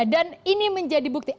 dan ini menjadi bukti